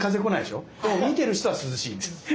でも見てる人は涼しいんですね。